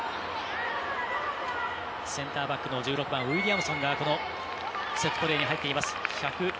センターバックのウィリアムソンがセットプレーに入っています。